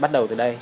bắt đầu từ đây